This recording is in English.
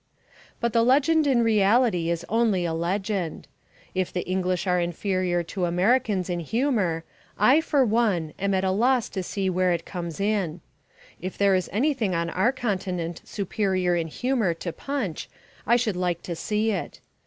But the legend in reality is only a legend. If the English are inferior to Americans in humour, I, for one, am at a loss to see where it comes in. If there is anything on our continent superior in humour to Punch I should like to see it.